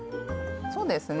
そうですね